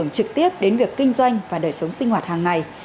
trực tiếp đến việc kinh doanh và đời sống sinh hoạt hàng ngày